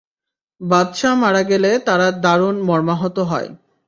বাদশাহ মারা গেলে তারা দারুণ মর্মাহত হয়।